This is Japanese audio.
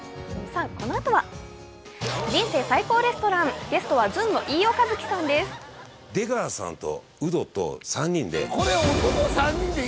このあとは、「人生最高レストラン」、ゲストはずんの飯尾和樹さんです。